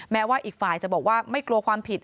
แม้ว่าอีกฝ่ายจะบอกว่าไม่กลัวความผิด